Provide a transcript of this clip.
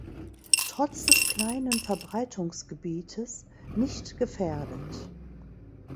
Trotz des kleinen Verbreitungsgebietes nicht gefährdet.